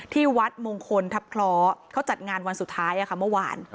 ที่วัดมงคลทัพคล้อเขาจัดงานวันสุดท้ายเมื่อวาน